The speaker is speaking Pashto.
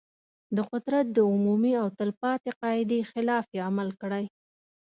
د قدرت د عمومي او تل پاتې قاعدې خلاف یې عمل کړی.